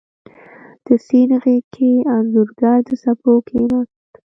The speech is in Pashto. د سیند غیږ کې انځورګر د څپو کښېناست